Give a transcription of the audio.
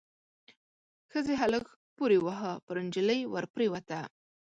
ښځې هلک پوري واهه، پر نجلۍ ور پريوته.